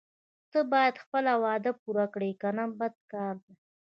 ته باید خپله وعده پوره کړې کنه بد کار ده.